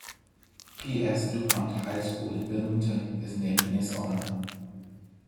P. S. Dupont High School in Wilmington is named in his honor.